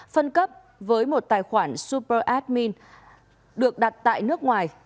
phân cấp với một tài khoản super admin được đặt tại nước ngoài